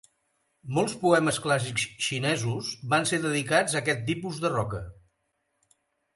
Molts poemes clàssics xinesos van ser dedicats a aquest tipus de roca.